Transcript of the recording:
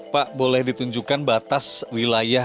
pak boleh ditunjukkan batas wilayah